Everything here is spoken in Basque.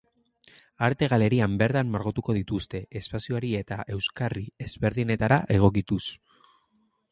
Arte-galerian bertan margotuko dituzte, espazioari eta euskarri ezberdinetara egokituz.